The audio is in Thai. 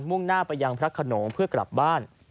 ่งหน้าไปยังพระขนงเพื่อกลับบ้าน